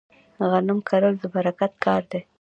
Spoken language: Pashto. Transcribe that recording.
غنم کرل د برکت کار دی.